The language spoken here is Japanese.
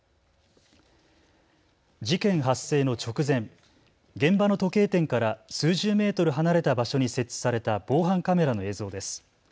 事件発生の直前、現場の時計店から数十メートル離れた場所に設置された防犯カメラの映像です。